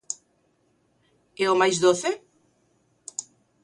E o máis doce?